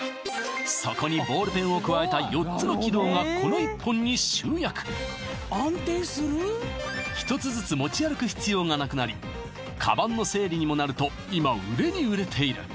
そこにボールペンを加えた４つの機能がこの１本に集約１つずつ持ち歩く必要がなくなりカバンの整理にもなると今売れに売れている